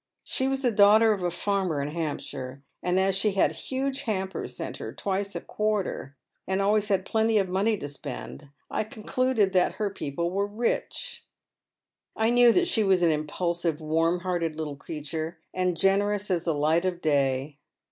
She was the daughtef of a farmer in Hampshire, and as she had huge hampers sent her twice in a quarter, and had always plenty of money to spend, I con cluded that her people were rich. I knew that she was an impulsive, v/arm hearted little creature, and generous as the light of day.